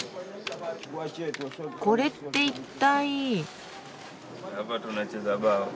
これって一体。